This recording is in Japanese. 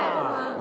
何？